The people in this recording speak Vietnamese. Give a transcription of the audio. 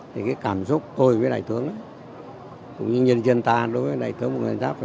cái cảm xúc tôi với đại tướng cũng như nhân dân ta đối với đại tướng võ nguyên giáp